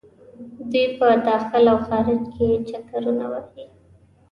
دوۍ په داخل او خارج کې چکرونه وهي.